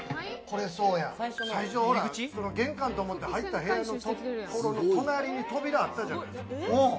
玄関と思って入った隣に扉があったじゃないですか。